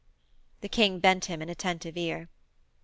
The King bent him an attentive ear.